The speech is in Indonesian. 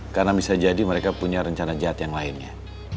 karena bisa jadi mereka punya rencana jahat yang lainnya